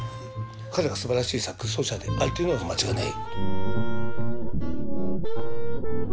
彼がすばらしいサックス奏者であるというのは間違いない。